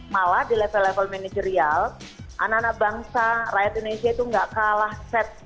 malah di level level manajerial anak anak bangsa rakyat indonesia itu nggak kalah set